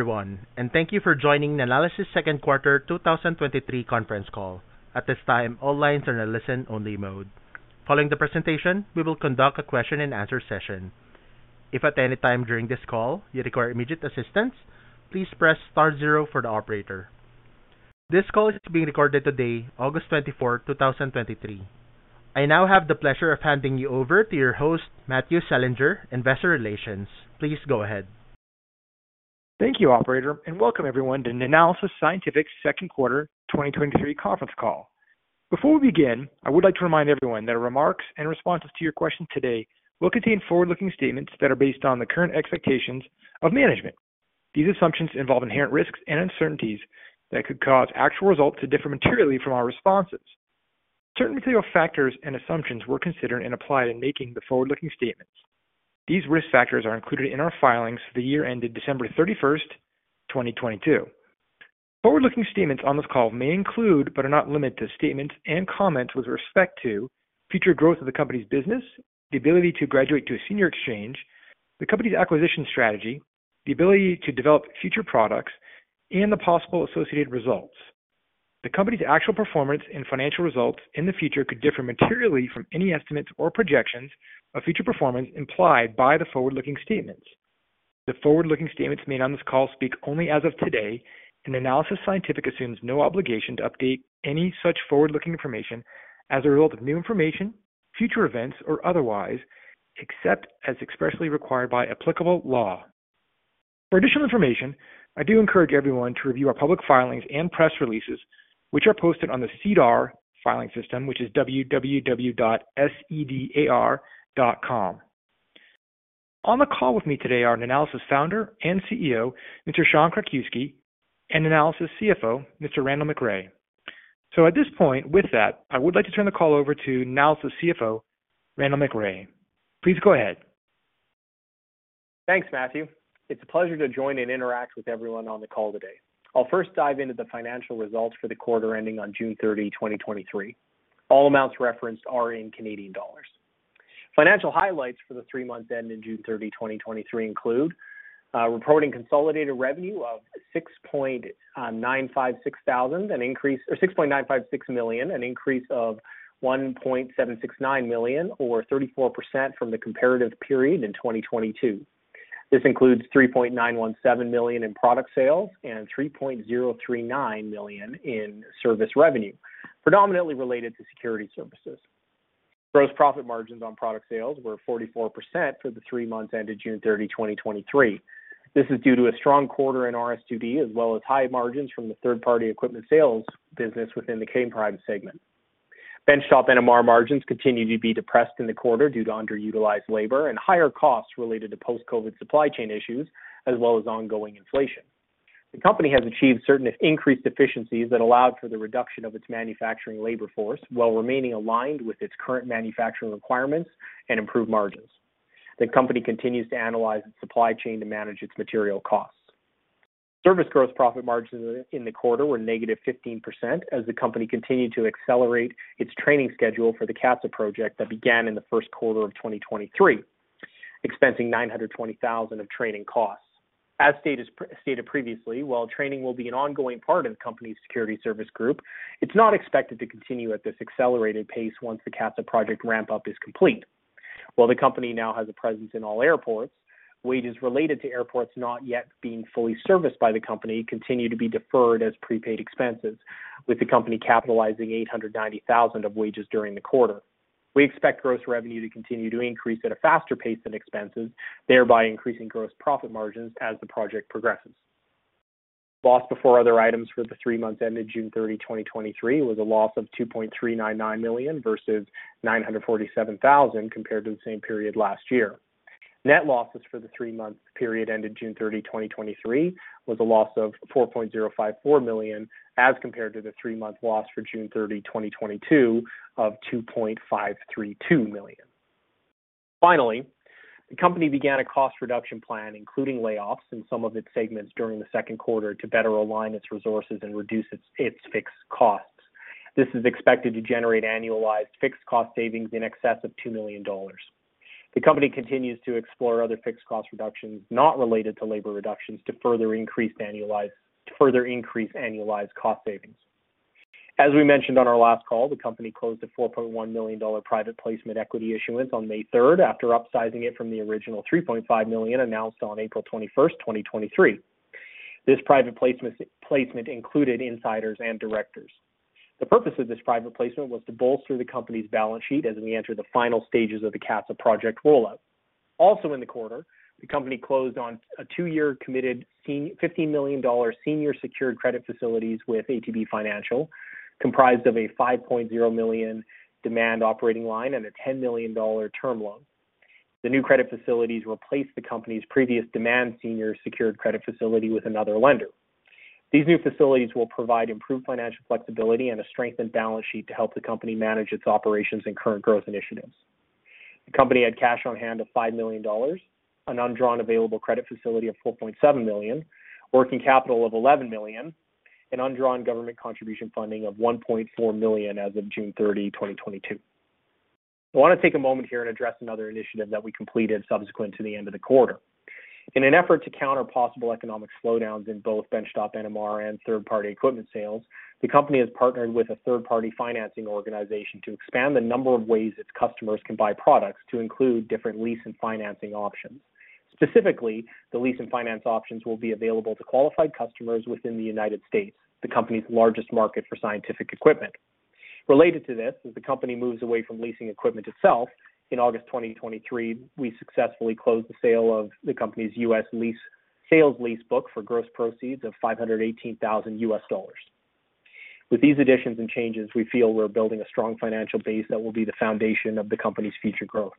Everyone, and thank you for joining Nanalysis's second quarter 2023 conference call. At this time, all lines are in a listen-only mode. Following the presentation, we will conduct a question and answer session. If at any time during this call you require immediate assistance, please press star zero for the operator. This call is being recorded today, August 24, 2023. I now have the pleasure of handing you over to your host, Matthew Selinger, Investor Relations. Please go ahead. Thank you, operator, and welcome everyone to Nanalysis Scientific's second quarter 2023 conference call. Before we begin, I would like to remind everyone that our remarks and responses to your questions today will contain forward-looking statements that are based on the current expectations of management. These assumptions involve inherent risks and uncertainties that could cause actual results to differ materially from our responses. Certain material factors and assumptions were considered and applied in making the forward-looking statements. These risk factors are included in our filings for the year ended December 31, 2022. Forward-looking statements on this call may include, but are not limited to, statements and comments with respect to future growth of the company's business, the ability to graduate to a senior exchange, the company's acquisition strategy, the ability to develop future products and the possible associated results. The company's actual performance and financial results in the future could differ materially from any estimates or projections of future performance implied by the forward-looking statements. The forward-looking statements made on this call speak only as of today, and Nanalysis Scientific assumes no obligation to update any such forward-looking information as a result of new information, future events, or otherwise, except as expressly required by applicable law. For additional information, I do encourage everyone to review our public filings and press releases, which are posted on the SEDAR filing system, which is www.sedar.com. On the call with me today are Nanalysis founder and CEO, Mr. Sean Krakiwsky, and Nanalysis CFO, Mr. Randall McRae. At this point, with that, I would like to turn the call over to Nanalysis CFO, Randall McRae. Please go ahead. Thanks, Matthew. It's a pleasure to join and interact with everyone on the call today. I'll first dive into the financial results for the quarter ending on June 30, 2023. All amounts referenced are in Canadian dollars. Financial highlights for the three months ending June 30, 2023 include reporting consolidated revenue of 6.956 million, an increase of 1.769 million, or 34% from the comparative period in 2022. This includes 3.917 million in product sales and 3.039 million in service revenue, predominantly related to security services. Gross profit margins on product sales were 44% for the three months ended June 30, 2023. This is due to a strong quarter in RS2D, as well as high margins from the third-party equipment sales business within the K'Prime segment. Benchtop NMR margins continued to be depressed in the quarter due to underutilized labor and higher costs related to post-COVID supply chain issues, as well as ongoing inflation. The company has achieved certain increased efficiencies that allowed for the reduction of its manufacturing labor force while remaining aligned with its current manufacturing requirements and improved margins. The company continues to analyze its supply chain to manage its material costs. Service gross profit margins in the quarter were negative 15% as the company continued to accelerate its training schedule for the CATSA project that began in the first quarter of 2023, expensing 920,000 of training costs. As stated previously, while training will be an ongoing part of the company's security service group, it's not expected to continue at this accelerated pace once the CATSA project ramp-up is complete. While the company now has a presence in all airports, wages related to airports not yet being fully serviced by the company continue to be deferred as prepaid expenses, with the company capitalizing 890,000 of wages during the quarter. We expect gross revenue to continue to increase at a faster pace than expenses, thereby increasing gross profit margins as the project progresses. Loss before other items for the three months ended June 30, 2023, was a loss of 2.399 million versus 947,000 compared to the same period last year. Net losses for the three-month period ended June 30, 2023, was a loss of 4.054 million, as compared to the three-month loss for June 30, 2022, of 2.532 million. Finally, the company began a cost reduction plan, including layoffs in some of its segments during the second quarter, to better align its resources and reduce its fixed costs. This is expected to generate annualized fixed cost savings in excess of 2 million. The company continues to explore other fixed cost reductions not related to labor reductions, to further increase annualized cost savings. As we mentioned on our last call, the company closed a 4.1 million private placement equity issuance on May 3, after upsizing it from the original 3.5 million, announced on April 21, 2023. This private placement included insiders and directors. The purpose of this private placement was to bolster the company's balance sheet as we enter the final stages of the CATSA project rollout. Also in the quarter, the company closed on a two-year committed 15 million senior secured credit facilities with ATB Financial, comprised of a 5.0 million demand operating line and a $10 million term loan. The new credit facilities replaced the company's previous demand senior secured credit facility with another lender. These new facilities will provide improved financial flexibility and a strengthened balance sheet to help the company manage its operations and current growth initiatives. The company had cash on hand of $5 million, an undrawn available credit facility of 4.7 million, working capital of 11 million, and undrawn government contribution funding of 1.4 million as of June 30, 2022.... I want to take a moment here and address another initiative that we completed subsequent to the end of the quarter. In an effort to counter possible economic slowdowns in both Benchtop NMR and third-party equipment sales, the company has partnered with a third-party financing organization to expand the number of ways its customers can buy products, to include different lease and financing options. Specifically, the lease and finance options will be available to qualified customers within the United States, the company's largest market for scientific equipment. Related to this, as the company moves away from leasing equipment itself, in August 2023, we successfully closed the sale of the company's U.S. lease-sales lease book for gross proceeds of $518,000. With these additions and changes, we feel we're building a strong financial base that will be the foundation of the company's future growth.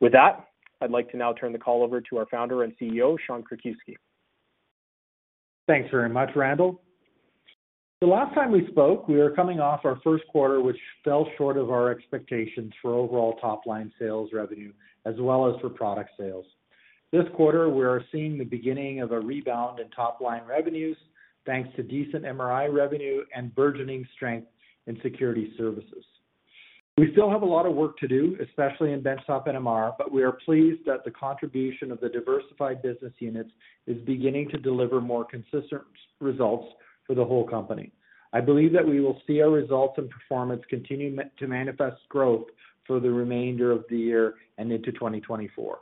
With that, I'd like to now turn the call over to our founder and CEO, Sean Krakiwsky. Thanks very much, Randall. The last time we spoke, we were coming off our first quarter, which fell short of our expectations for overall top-line sales revenue as well as for product sales. This quarter, we are seeing the beginning of a rebound in top-line revenues, thanks to decent MRI revenue and burgeoning strength in security services. We still have a lot of work to do, especially in Benchtop NMR, but we are pleased that the contribution of the diversified business units is beginning to deliver more consistent results for the whole company. I believe that we will see our results and performance continue to manifest growth for the remainder of the year and into 2024.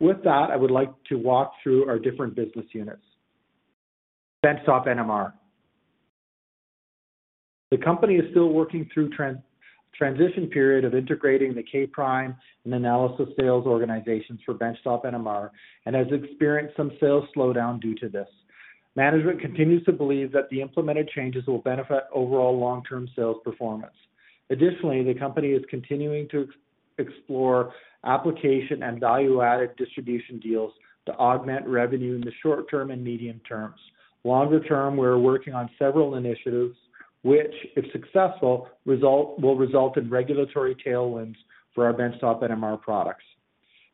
With that, I would like to walk through our different business units. Benchtop NMR. The company is still working through transition period of integrating the K'Prime and Nanalysis sales organizations for Benchtop NMR and has experienced some sales slowdown due to this. Management continues to believe that the implemented changes will benefit overall long-term sales performance. Additionally, the company is continuing to explore application and value-added distribution deals to augment revenue in the short term and medium terms. Longer term, we are working on several initiatives which, if successful, will result in regulatory tailwinds for our Benchtop NMR products.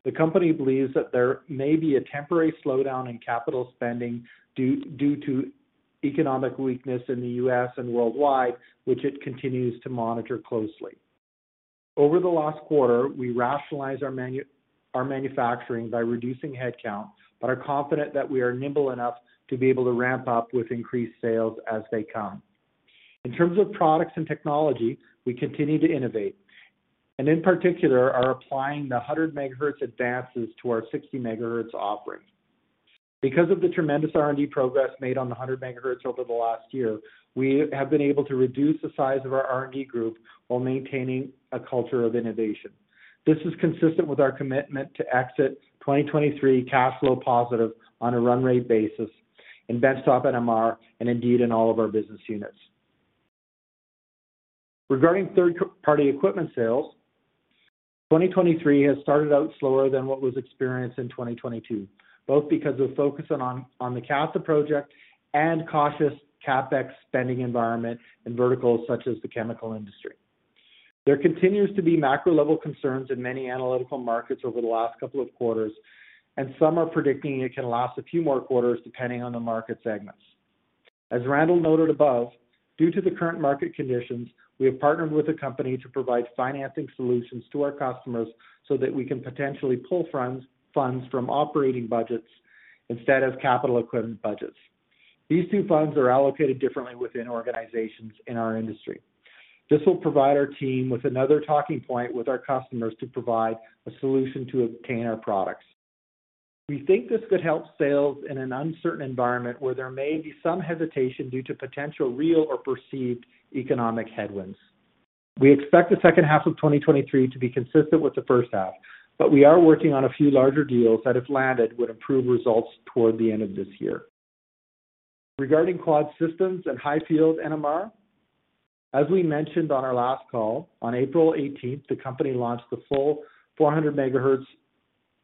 The company believes that there may be a temporary slowdown in capital spending due to economic weakness in the U.S. and worldwide, which it continues to monitor closely. Over the last quarter, we rationalized our manufacturing by reducing headcount, but are confident that we are nimble enough to be able to ramp up with increased sales as they come. In terms of products and technology, we continue to innovate, and in particular, are applying the 100 MHz advances to our 60 MHz offering. Because of the tremendous R&D progress made on the 100 MHz over the last year, we have been able to reduce the size of our R&D group while maintaining a culture of innovation. This is consistent with our commitment to exit 2023 cash flow positive on a run rate basis in Benchtop NMR and indeed in all of our business units. Regarding third-party equipment sales, 2023 has started out slower than what was experienced in 2022, both because of focusing on the CATSA project and cautious CapEx spending environment in verticals such as the chemical industry. There continues to be macro-level concerns in many analytical markets over the last couple of quarters, and some are predicting it can last a few more quarters, depending on the market segments. As Randall noted above, due to the current market conditions, we have partnered with a company to provide financing solutions to our customers so that we can potentially pull funds, funds from operating budgets instead of capital equipment budgets. These two funds are allocated differently within organizations in our industry. This will provide our team with another talking point with our customers to provide a solution to obtain our products. We think this could help sales in an uncertain environment, where there may be some hesitation due to potential real or perceived economic headwinds. We expect the second half of 2023 to be consistent with the first half, but we are working on a few larger deals that, if landed, would improve results toward the end of this year. Regarding Quad Systems and high-field NMR, as we mentioned on our last call, on April eighteenth, the company launched the full 400 MHz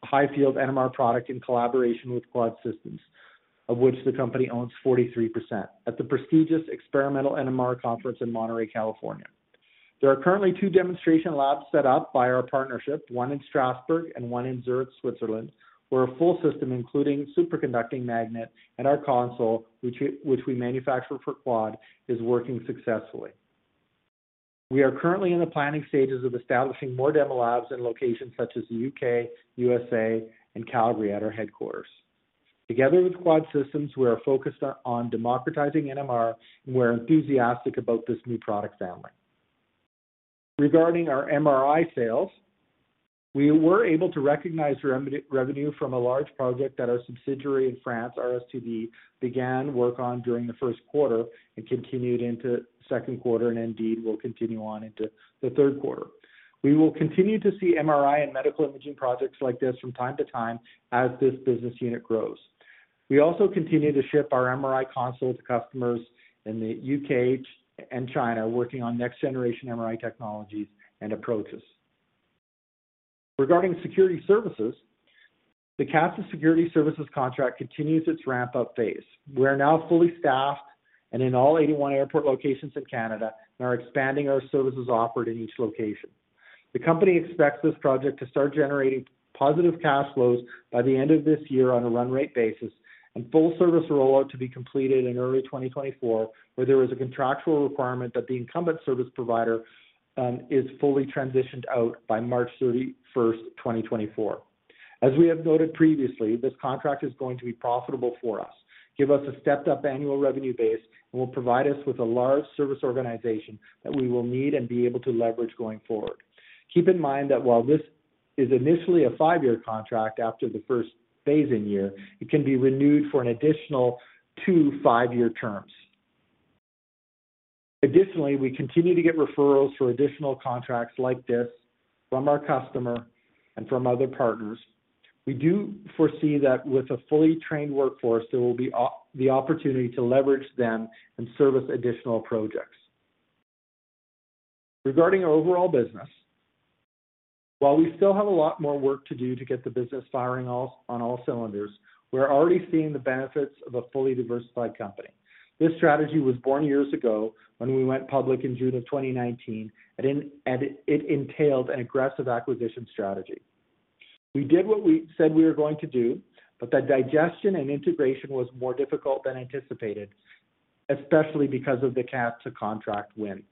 high-field NMR product in collaboration with Quad Systems, of which the company owns 43%, at the prestigious Experimental NMR Conference in Monterey, California. There are currently two demonstration labs set up by our partnership, one in Strasbourg and one in Zurich, Switzerland, where a full system, including superconducting magnet and our console, which we manufacture for Quad, is working successfully. We are currently in the planning stages of establishing more demo labs in locations such as the U.K., USA, and Calgary at our headquarters. Together with Quad Systems, we are focused on democratizing NMR, and we're enthusiastic about this new product family. Regarding our MRI sales, we were able to recognize revenue from a large project that our subsidiary in France, RS2D, began work on during the first quarter and continued into the second quarter and indeed will continue on into the third quarter. We will continue to see MRI and medical imaging projects like this from time to time as this business unit grows. We also continue to ship our MRI console to customers in the U.K. and China, working on next-generation MRI technologies and approaches. Regarding security services, the CATSA Security Services contract continues its ramp-up phase. We are now fully staffed and in all 81 airport locations in Canada and are expanding our services offered in each location. The company expects this project to start generating positive cash flows by the end of this year on a run rate basis and full service rollout to be completed in early 2024, where there is a contractual requirement that the incumbent service provider is fully transitioned out by March 31st, 2024. As we have noted previously, this contract is going to be profitable for us, give us a stepped up annual revenue base, and will provide us with a large service organization that we will need and be able to leverage going forward. Keep in mind that while this is initially a five-year contract, after the first phase-in year, it can be renewed for an additional two 5-year terms. Additionally, we continue to get referrals for additional contracts like this from our customer and from other partners. We do foresee that with a fully trained workforce, there will be the opportunity to leverage them and service additional projects. Regarding our overall business, while we still have a lot more work to do to get the business firing all, on all cylinders, we're already seeing the benefits of a fully diversified company. This strategy was born years ago when we went public in June of 2019, and it entailed an aggressive acquisition strategy. We did what we said we were going to do, but the digestion and integration was more difficult than anticipated, especially because of the CATSA contract win.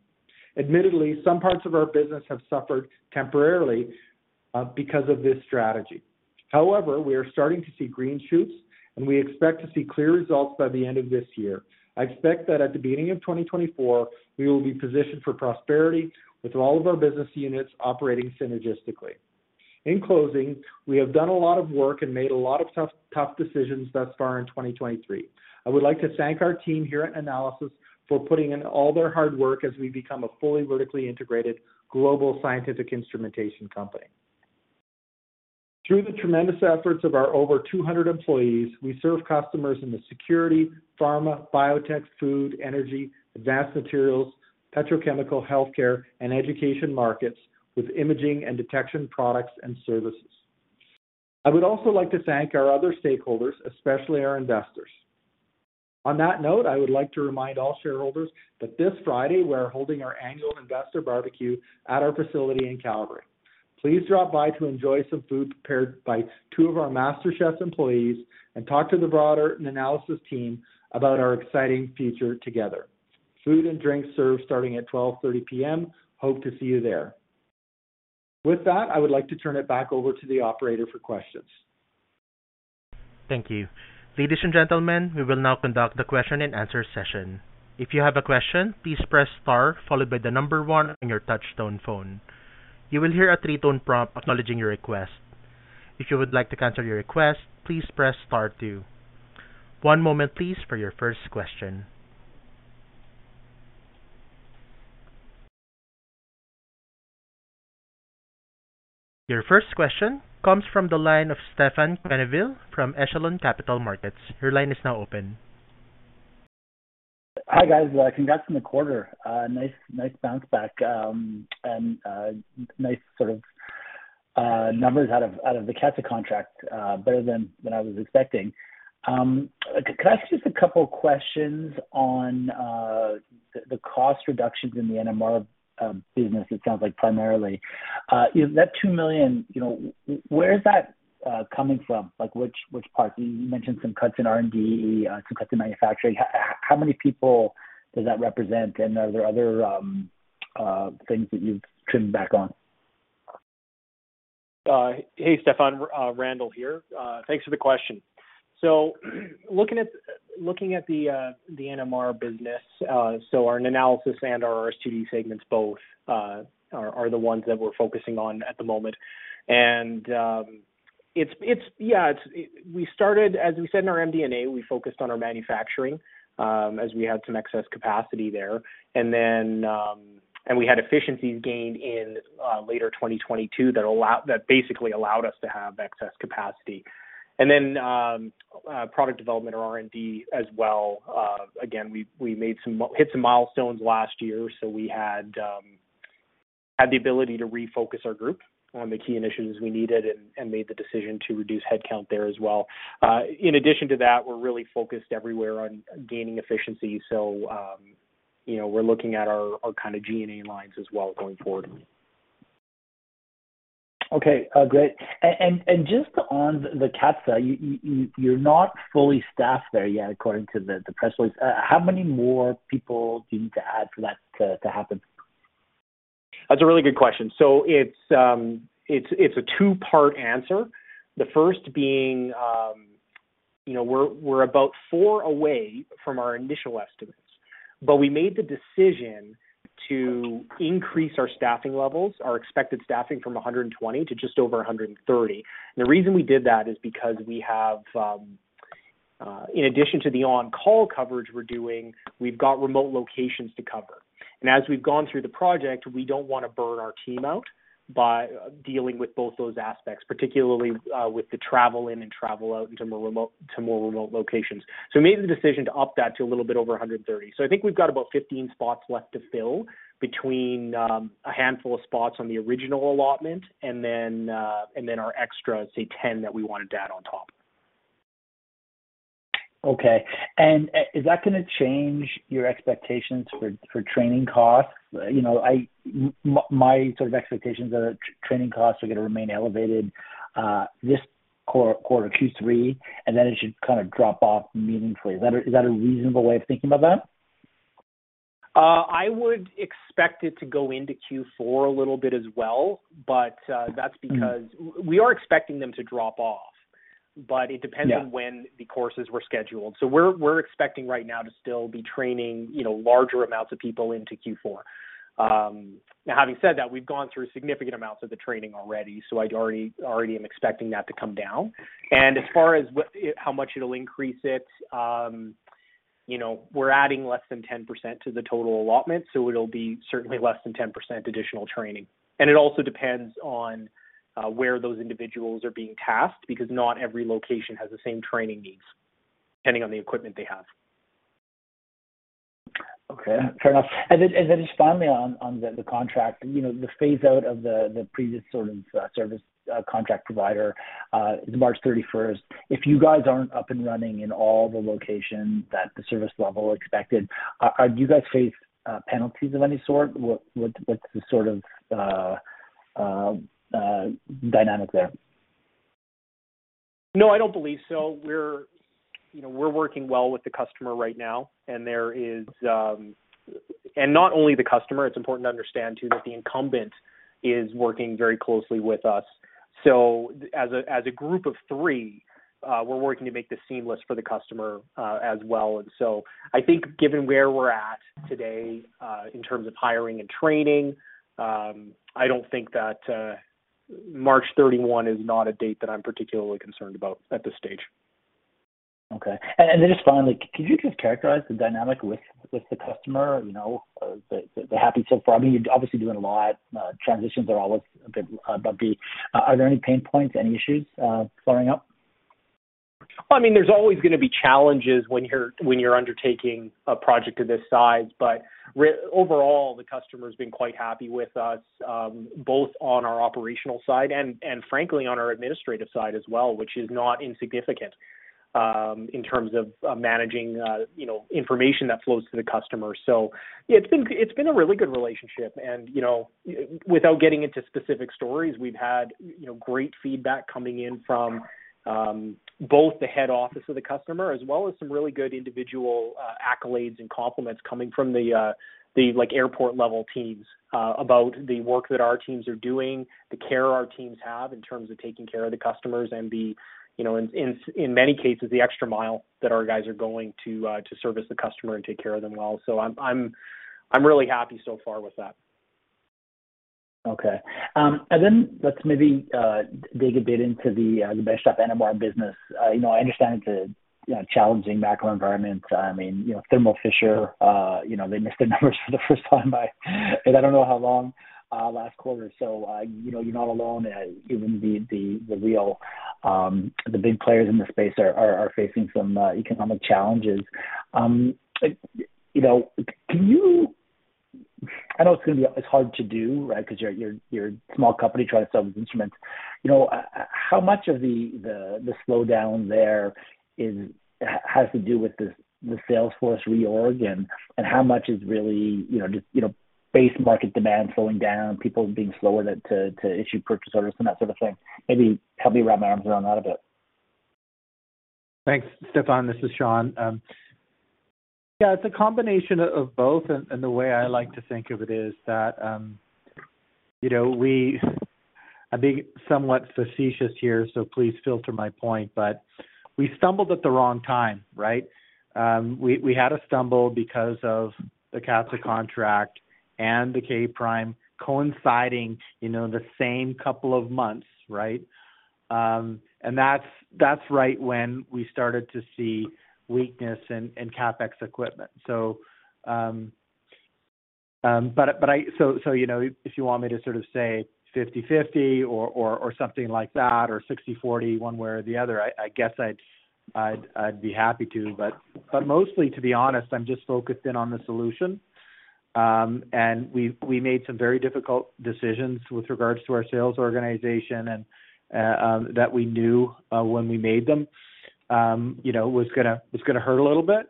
Admittedly, some parts of our business have suffered temporarily because of this strategy. However, we are starting to see green shoots, and we expect to see clear results by the end of this year. I expect that at the beginning of 2024, we will be positioned for prosperity with all of our business units operating synergistically. In closing, we have done a lot of work and made a lot of tough, tough decisions thus far in 2023. I would like to thank our team here at Nanalysis for putting in all their hard work as we become a fully vertically integrated global scientific instrumentation company. Through the tremendous efforts of our over 200 employees, we serve customers in the security, pharma, biotech, food, energy, advanced materials, petrochemical, healthcare, and education markets with imaging and detection products and services. I would also like to thank our other stakeholders, especially our investors. On that note, I would like to remind all shareholders that this Friday, we are holding our annual investor barbecue at our facility in Calgary. Please drop by to enjoy some food prepared by two of our master chefs employees, and talk to the broader Nanalysis team about our exciting future together. Food and drink served starting at 12:30 P.M. Hope to see you there. With that, I would like to turn it back over to the operator for questions. Thank you. Ladies and gentlemen, we will now conduct the question and answer session. If you have a question, please press star followed by the number one on your touch-tone phone. You will hear a three-tone prompt acknowledging your request. If you would like to cancel your request, please press star two. One moment, please, for your first question. Your first question comes from the line of Stefan Quenneville from Echelon Capital Markets. Your line is now open. Hi, guys. Congrats on the quarter. Nice, nice bounce back, and nice sort of numbers out of, out of the CATSA contract, better than, than I was expecting. Could I ask just a couple questions on the cost reductions in the NMR business, it sounds like primarily? Is that two million, you know, where is that coming from? Like, which part? You mentioned some cuts in R&D, some cuts in manufacturing. How many people does that represent, and are there other things that you've trimmed back on? Hey, Stefan, Randall here. Thanks for the question. So looking at the NMR business, so Nanalysis and our RS2D segments both are the ones that we're focusing on at the moment. And we started, as we said in our MD&A, we focused on our manufacturing, as we had some excess capacity there. And then we had efficiencies gained in later 2022 that basically allowed us to have excess capacity. And then product development or R&D as well. Again, we hit some milestones last year, so we had the ability to refocus our group on the key initiatives we needed and made the decision to reduce headcount there as well. In addition to that, we're really focused everywhere on gaining efficiency. You know, we're looking at our kind of G&A lines as well going forward. Okay, great. And just on the CATSA, you're not fully staffed there yet, according to the press release. How many more people do you need to add for that to happen? That's a really good question. So it's a two-part answer. The first being, you know, we're about four away from our initial estimates, but we made the decision to increase our staffing levels, our expected staffing, from 120 to just over 130. And the reason we did that is because we have, in addition to the on-call coverage we're doing, we've got remote locations to cover. And as we've gone through the project, we don't want to burn our team out by dealing with both those aspects, particularly, with the travel in and travel out into more remote locations. So we made the decision to up that to a little bit over 130. So I think we've got about 15 spots left to fill between a handful of spots on the original allotment and then our extra, say, 10 that we wanted to add on top. Okay. Is that going to change your expectations for training costs? You know, my sort of expectations are that training costs are going to remain elevated this quarter, Q3, and then it should kind of drop off meaningfully. Is that a reasonable way of thinking about that?... I would expect it to go into Q4 a little bit as well, but, that's because we are expecting them to drop off. But it depends on when the courses were scheduled. So we're, we're expecting right now to still be training, you know, larger amounts of people into Q4. Now, having said that, we've gone through significant amounts of the training already, so I already, already am expecting that to come down. And as far as what, how much it'll increase it, you know, we're adding less than 10% to the total allotment, so it'll be certainly less than 10% additional training. And it also depends on, where those individuals are being tasked, because not every location has the same training needs, depending on the equipment they have. Okay, fair enough. And then just finally on the contract, you know, the phase out of the previous sort of service contract provider is March 31st. If you guys aren't up and running in all the locations that the service level expected, do you guys face penalties of any sort? What's the sort of dynamic there? No, I don't believe so. We're, you know, we're working well with the customer right now, and there is... And not only the customer, it's important to understand, too, that the incumbent is working very closely with us. So as a group of three, we're working to make this seamless for the customer, as well. And so I think given where we're at today, in terms of hiring and training, I don't think that March 31 is not a date that I'm particularly concerned about at this stage. Okay. Then just finally, could you just characterize the dynamic with the customer? You know, they're happy so far. I mean, you're obviously doing a lot. Transitions are always a bit bumpy. Are there any pain points, any issues flaring up? I mean, there's always going to be challenges when you're undertaking a project of this size. But overall, the customer has been quite happy with us, both on our operational side and frankly on our administrative side as well, which is not insignificant in terms of you know managing information that flows to the customer. So yeah, it's been a really good relationship and, you know, without getting into specific stories, we've had, you know, great feedback coming in from both the head office of the customer, as well as some really good individual accolades and compliments coming from the the, like, airport-level teams about the work that our teams are doing, the care our teams have in terms of taking care of the customers and the, you know, in many cases, the extra mile that our guys are going to to service the customer and take care of them well. So I'm really happy so far with that. Okay. And then let's maybe dig a bit into the benchtop NMR business. You know, I understand it's a you know, challenging macro environment. I mean, you know, Thermo Fisher you know, they missed their numbers for the first time, I... and I don't know how long last quarter. So you know, you're not alone. Even the real big players in the space are facing some economic challenges. Like, you know, can you-- I know it's going to be, it's hard to do, right? Because you're a small company trying to sell these instruments. You know, how much of the slowdown there is, has to do with the sales force reorg and how much is really, you know, just, you know, base market demand slowing down, people being slower to issue purchase orders and that sort of thing? Maybe help me wrap my arms around that a bit. Thanks, Stefan. This is Sean. Yeah, it's a combination of both. And the way I like to think of it is that, you know, we, I'm being somewhat facetious here, so please filter my point. But we stumbled at the wrong time, right? We had a stumble because of the CATSA contract and the K'Prime coinciding, you know, the same couple of months, right? And that's right when we started to see weakness in CapEx equipment. So, but I-- so, you know, if you want me to sort of say 50/50 or something like that, or 60/40, one way or the other, I guess I'd be happy to. But mostly, to be honest, I'm just focused in on the solution. And we made some very difficult decisions with regards to our sales organization and that we knew when we made them, you know, was going to hurt a little bit.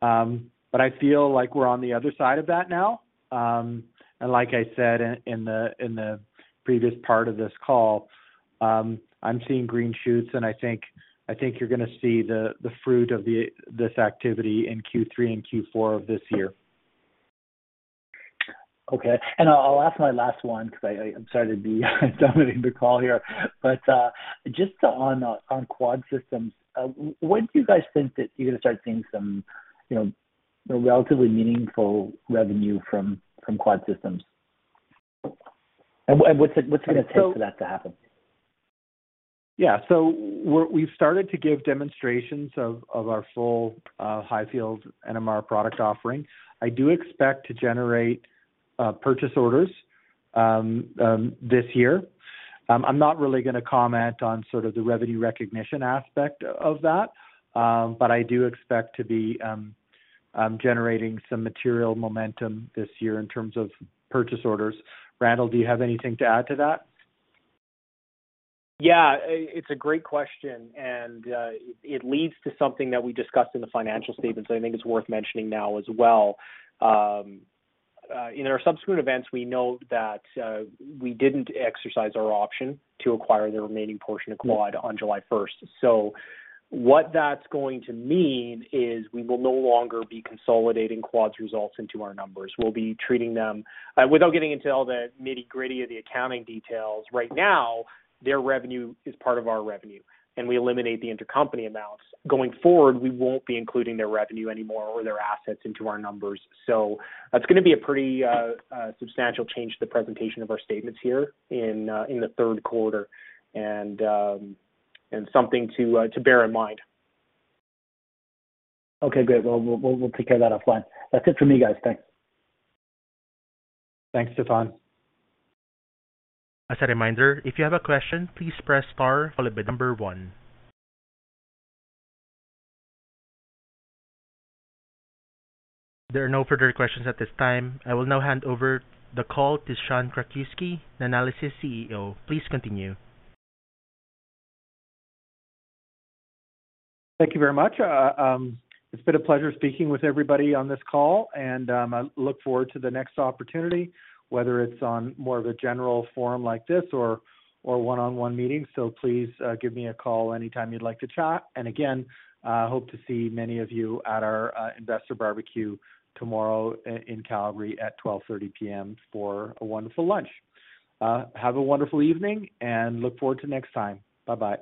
But I feel like we're on the other side of that now. And like I said in the previous part of this call, I'm seeing green shoots, and I think you're going to see the fruit of this activity in Q3 and Q4 of this year. Okay. And I'll ask my last one, because I, I'm sorry to be dominating the call here. But, just on, on Quad Systems, when do you guys think that you're going to start seeing some, you know, relatively meaningful revenue from, from Quad Systems? And what, what's it going to take for that to happen? Yeah. So we've started to give demonstrations of our full high-field NMR product offering. I do expect to generate purchase orders this year. I'm not really going to comment on sort of the revenue recognition aspect of that. But I do expect to be generating some material momentum this year in terms of purchase orders. Randall, do you have anything to add to that? Yeah, it's a great question, and it leads to something that we discussed in the financial statements I think is worth mentioning now as well. In our subsequent events, we note that we didn't exercise our option to acquire the remaining portion of Quad on July first. So what that's going to mean is we will no longer be consolidating Quad's results into our numbers. We'll be treating them... Without getting into all the nitty-gritty of the accounting details, right now, their revenue is part of our revenue, and we eliminate the intercompany amounts. Going forward, we won't be including their revenue anymore or their assets into our numbers. So that's going to be a pretty substantial change to the presentation of our statements here in the third quarter, and something to bear in mind. Okay, great. We'll take care of that offline. That's it for me, guys. Thanks. Thanks, Stefan. As a reminder, if you have a question, please press star, followed byone. There are no further questions at this time. I will now hand over the call to Sean Krakiwsky, Nanalysis's CEO. Please continue. Thank you very much. It's been a pleasure speaking with everybody on this call, and I look forward to the next opportunity, whether it's on more of a general forum like this or one-on-one meetings. So please, give me a call anytime you'd like to chat. And again, hope to see many of you at our investor barbecue tomorrow in Calgary at 12:30 P.M. for a wonderful lunch. Have a wonderful evening and look forward to next time. Bye-bye.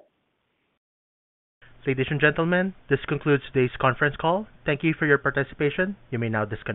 Ladies and gentlemen, this concludes today's conference call. Thank you for your participation. You may now disconnect.